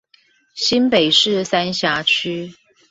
新北市三峽區